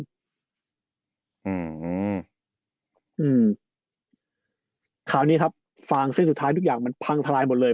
อืมอืมคราวนี้ครับฟางเส้นสุดท้ายทุกอย่างมันพังทลายหมดเลย